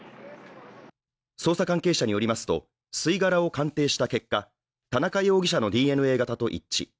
捜査関係者によりますと吸い殻を鑑定した結果、田中容疑者のＤＮＡ型と一致。